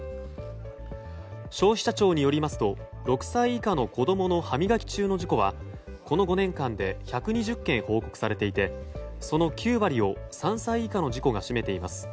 消費者庁によりますと６歳以下の子供の歯磨き中の事故は、この５年間で１２０件報告されていてその９割を３歳以下の事故が占めています。